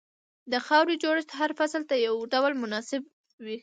د خاورې جوړښت هر فصل ته یو ډول مناسب نه وي.